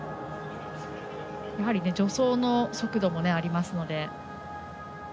やはり助走の速度もありますので。